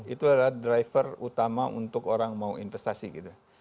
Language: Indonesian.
itu adalah driver utama untuk orang mau investasi gitu